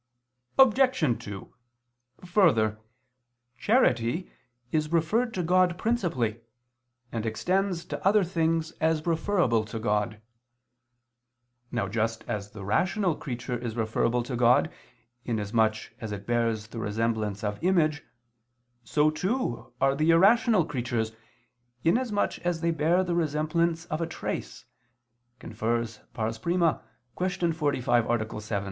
Obj. 2: Further, charity is referred to God principally, and extends to other things as referable to God. Now just as the rational creature is referable to God, in as much as it bears the resemblance of image, so too, are the irrational creatures, in as much as they bear the resemblance of a trace [*Cf. I, Q. 45, A. 7].